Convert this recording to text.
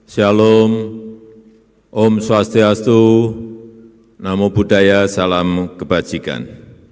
shalom om swastiastu namo buddhaya salam kebajikan